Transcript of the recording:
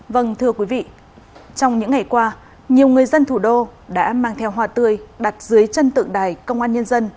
vâng thưa quý vị trong những ngày qua nhiều người dân thủ đô đã mang theo hoa tươi đặt dưới chân tượng đài công an nhân dân